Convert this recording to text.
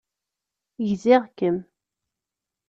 Gziɣ-kem.